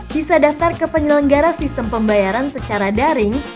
bisa daftar ke penyelenggara sistem pembayaran secara daring